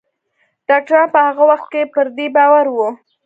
ډاکتران په هغه وخت کې پر دې باور وو